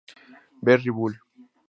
Berry; Bull.